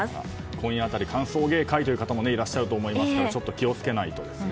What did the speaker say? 今夜あたり歓送迎会という方もいらっしゃると思いますからちょっと気を付けないとですね。